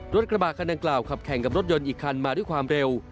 กระบาดคันดังกล่าวขับแข่งกับรถยนต์อีกคันมาด้วยความเร็ว